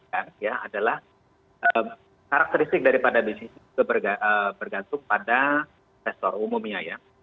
yang pertama adalah karakteristik dari bisnis bergantung pada investor umumnya